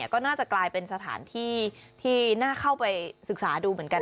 ก็น่าจะกลายเป็นสถานที่ที่น่าเข้าไปศึกษาดูเหมือนกัน